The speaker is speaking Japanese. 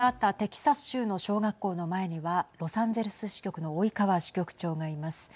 事件があったテキサス州の小学校の前にはロサンゼルス支局の及川支局長がいます。